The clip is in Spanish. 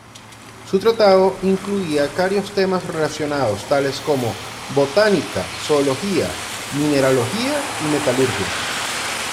Su tratado incluía carios temas relacionados tales como botánica, zoología, mineralogía, y metalurgia.